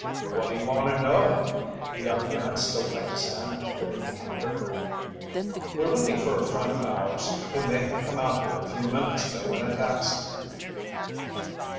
"What do you want to know?" The young man still kept his hand beneath the counter. "We're looking for a friend of ours who may have come out here a few minutes ago in a taxi."